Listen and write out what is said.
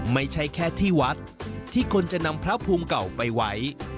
ไม่ใช่แค่ที่วัดที่คนจะนำพระภูมิเก่าไปไว้